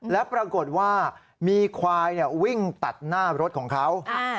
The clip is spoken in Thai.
แล้วปรากฏว่ามีควายวิ่งตัดหน้ารถของเขา